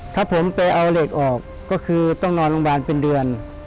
ถ้าผมไปเอาเหล็กออกก็คือต้องนอนโรงพยาบาลเป็นเดือน